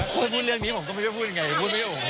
พูดเรื่องนี้ผมก็ไม่ได้พูดยังไง